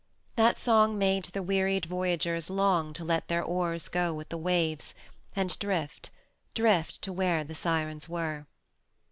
That song made the wearied voyagers long to let their oars go with the waves, and drift, drift to where the Sirens were.